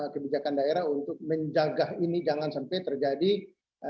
kebijakan daerah untuk menjaga ini jangan sampai terjadi kebijakan